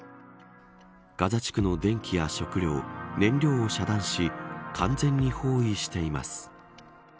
ガザ地区の電気や食料燃料を遮断し完全に包囲しています。